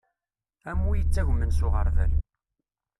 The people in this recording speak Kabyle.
Am wi ittagmen s uɣerbal.